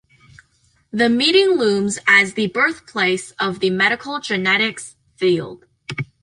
The meeting looms as the birthplace of the medical genetics field.